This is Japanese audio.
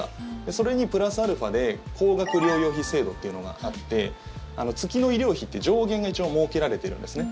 それにプラスアルファで高額療養費制度というのがあって月の医療費って上限が一応、設けられてるんですね。